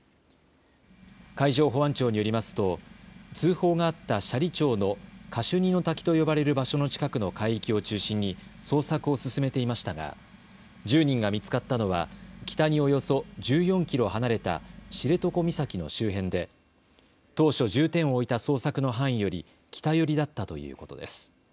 海上保安庁によりますと通報があった斜里町のカシュニの滝と呼ばれる場所の近くの海域を中心に捜索を進めていましたが１０人が見つかったのは北におよそ１４キロ離れた知床岬の周辺で当初重点を置いた捜索の範囲より北寄りだったということです。